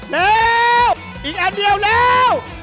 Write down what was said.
แล้วอีกอันเดียวแล้ว